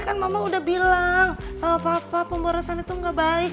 kan mama udah bilang sama papa pemborosan itu gak baik